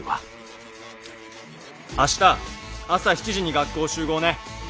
明日朝７時に学校集合ね。